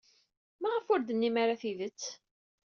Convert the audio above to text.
Maɣef ur d-tennim ara tidet?